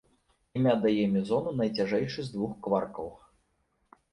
Імя дае мезону найцяжэйшы з двух кваркаў.